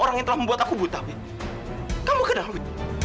enggak sat maksud aku